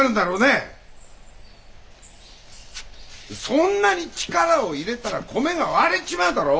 そんなに力を入れたら米が割れちまうだろ！